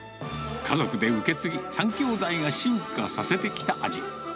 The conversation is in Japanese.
家族で受け継ぎ、３兄弟が進化させてきた味。